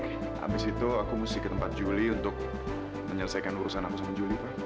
habis itu aku mesti ke tempat juli untuk menyelesaikan urusan enam juli pak